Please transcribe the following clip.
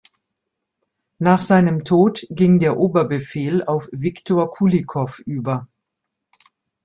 Nach seinem Tod ging der Oberbefehl auf Wiktor Kulikow über.